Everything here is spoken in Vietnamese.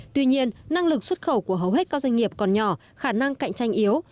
tuy nhiên năng lực xuất khẩu của hầu hết các doanh nghiệp còn nhỏ khả năng cạnh tranh yếu